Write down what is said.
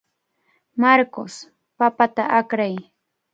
Marcos, papata akray.